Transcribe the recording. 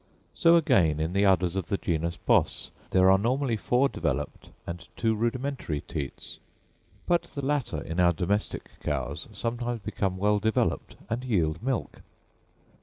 So again in the udders of the genus Bos, there are normally four developed and two rudimentary teats; but the latter in our domestic cows sometimes become well developed and yield milk.